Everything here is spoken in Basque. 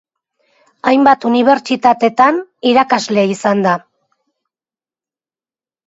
Hainbat unibertsitatetan irakasle izan da.